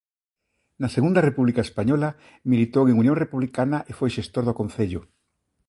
Na Segunda República Española militou en Unión Republicana e foi xestor do Concello.